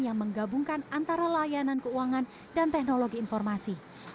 yang menggabungkan antara layanan keuangan dan teknologi informasi